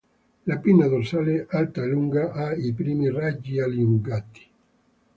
La pinna dorsale, alta e lunga, ha i primi raggi allungati.